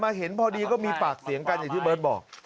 เห็นพอดีก็มีปากเสียงกันอย่างที่เบิร์ตบอก